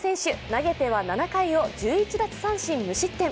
投げては７回を１１奪三振無失点。